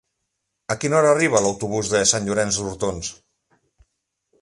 A quina hora arriba l'autobús de Sant Llorenç d'Hortons?